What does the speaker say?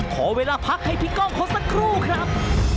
ขอเวลาพักให้พี่ก้องเขาสักครู่ครับ